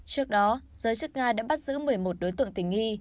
trước đó giới chức nga đã bắt giữ một mươi một đối tượng tình nghi